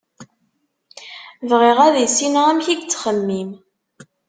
Bɣiɣ ad issinen amek i yettxemmim.